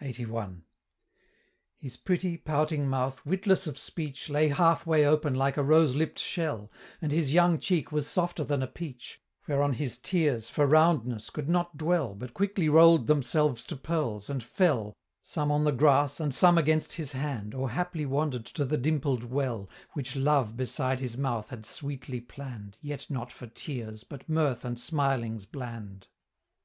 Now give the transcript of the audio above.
LXXXI. "His pretty pouting mouth, witless of speech, Lay half way open like a rose lipp'd shell; And his young cheek was softer than a peach, Whereon his tears, for roundness, could not dwell, But quickly roll'd themselves to pearls, and fell, Some on the grass, and some against his hand, Or haply wander'd to the dimpled well, Which love beside his mouth had sweetly plann'd, Yet not for tears, but mirth and smilings bland."